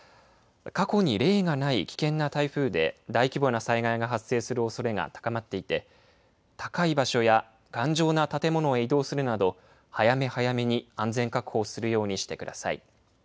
過去に例がない危険な台風で大規模な災害が発生するおそれが高まっていて高い場所や頑丈な建物へ移動するなど早め早めに安全確保をするようにしてください。